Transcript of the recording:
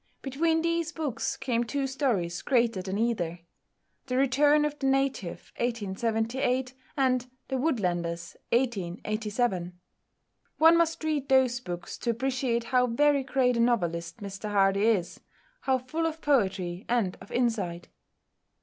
Between these books came two stories greater than either "The Return of the Native" (1878) and "The Woodlanders" (1887). One must read those books to appreciate how very great a novelist Mr Hardy is, how full of poetry and of insight.